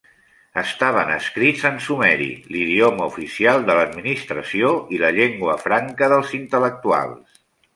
Estaven escrits en sumeri, l'idioma oficial de l'administració i la llengua franca dels intel·lectuals.